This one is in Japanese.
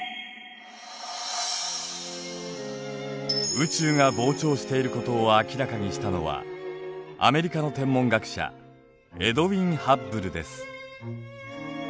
宇宙が膨張していることを明らかにしたのはアメリカの天文学者エドウィン・ハッブルです。